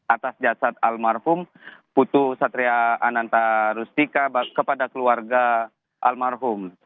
atas jasad almarhum putu satria ananta rustika kepada keluarga almarhum